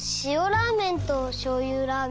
ラーメンとしょうゆラーメン